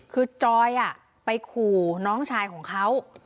คือจอยไปขู่น้องชายของเขา